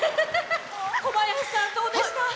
小林さん、どうでした？